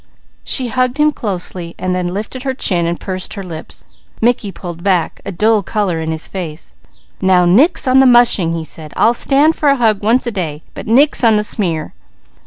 She hugged him closely, then lifted her chin and pursed her lips. Mickey pulled back, a dull colour in his face. "Now nix on the mushing!" he said. "I'll stand for a hug once a day, but nix on the smear!"